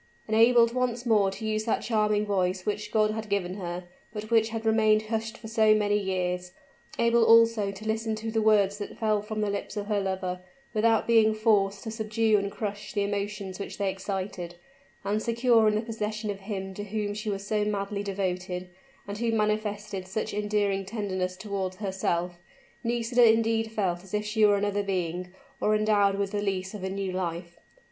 Enabled once more to use that charming voice which God had given her, but which had remained hushed for so many years, able also to listen to the words that fell from the lips of her lover, without being forced to subdue and crush the emotions which they excited, and secure in the possession of him to whom she was so madly devoted, and who manifested such endearing tenderness toward herself, Nisida indeed felt as if she were another being, or endowed with the lease of a new life.